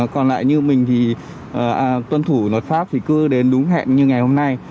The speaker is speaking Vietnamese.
còn lại như mình thì tuân thủ luật pháp thì cứ đến đúng hẹn như ngày hôm nay